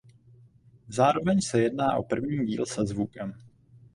Zároveň se jedná o první díl se zvukem.